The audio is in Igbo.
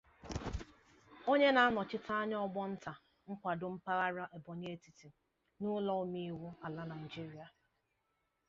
onye na-anọchite anya ọgbọ nta nkwàdo mpaghara Ebonyi etiti n'ụlọ omeiwu ala Nigeria